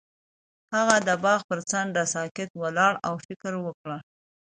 هغه د باغ پر څنډه ساکت ولاړ او فکر وکړ.